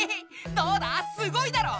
どうだすごいだろう！